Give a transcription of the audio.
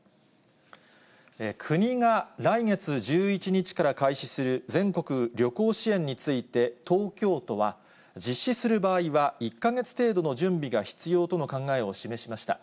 国が来月１１日から開始する全国旅行支援について東京都は、実施する場合は１か月程度の準備が必要との考えを示しました。